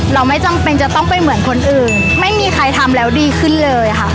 เราไม่จำเป็นจะต้องไปเหมือนคนอื่นไม่มีใครทำแล้วดีขึ้นเลยค่ะ